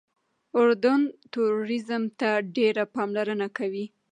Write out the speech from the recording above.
اردن ټوریزم ته ډېره پاملرنه کوي.